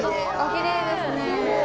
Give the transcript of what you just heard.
きれいですね。